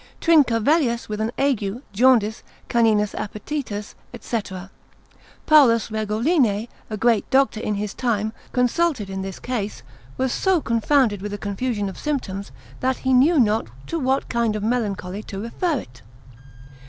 Trincavellius with an ague, jaundice, caninus appetitus, &c. Paulus Regoline, a great doctor in his time, consulted in this case, was so confounded with a confusion of symptoms, that he knew not to what kind of melancholy to refer it.